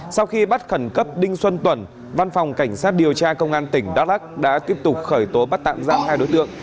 sau khi bắt khẩn cấp đinh xuân tùng văn phòng cảnh sát điều tra công an tỉnh đắk lắc đã tiếp tục khởi tố bắt tạm giam hai đối tượng